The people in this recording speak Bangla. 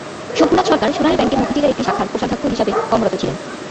শম্ভুনাথ সরকার সোনালী ব্যাংকের মতিঝিলের একটি শাখার কোষাধ্যক্ষ হিসেবে কর্মরত ছিলেন।